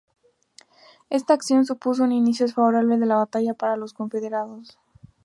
Esta acción supuso un inicio desfavorable de la batalla, para los confederados.